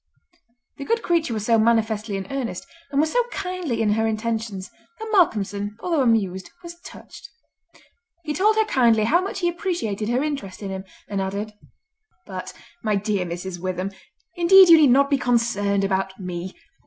The good creature was so manifestly in earnest, and was so kindly in her intentions, that Malcolmson, although amused, was touched. He told her kindly how much he appreciated her interest in him, and added: "But, my dear Mrs. Witham, indeed you need not be concerned about me!